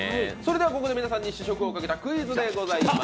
ここで皆さんに試食を懸けたクイズでございます。